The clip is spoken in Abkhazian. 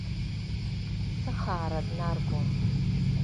Сыхаара днаргон.